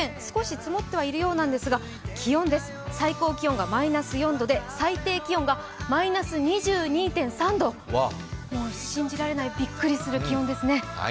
少し積もってはいるようですが気温です、最高気温がマイナス４度で最低気温がマイナス２２．３度、もう信じられないびっくりする気温ですね。